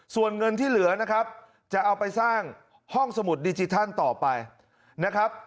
ส่วนเงินที่เหลือนะครับจะเอาไปสร้างห้องสมุดดิจิทัลต่อไปนะครับ